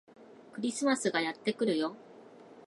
クリスマスがやってくるよ